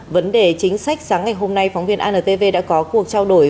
vấn đề chính sách sáng ngày hôm nay phóng viên antv đã có cuộc trao đổi